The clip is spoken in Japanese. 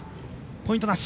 ポイントなし。